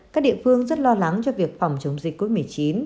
các địa phương rất lo lắng cho việc phòng chống dịch covid một mươi chín